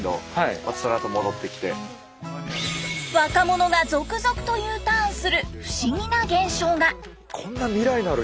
若者が続々とＵターンする不思議な現象が！